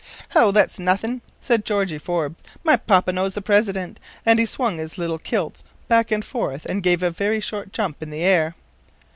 "Ho! that's nothin'," said Georgie Forbes. "My papa knows the President," and he swung his little kilts back and forth, and gave a very short jump in the air.